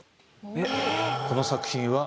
この作品は。